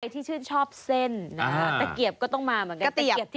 ที่ชื่นชอบเส้นตะเกียบก็ต้องมาเหมือนกัน